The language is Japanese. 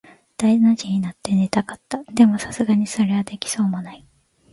大の字になって寝たかった。でも、流石にそれはできそうもない。